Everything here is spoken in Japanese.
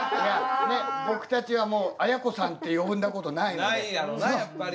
僕たちはもう綾子さんって呼んだことないの。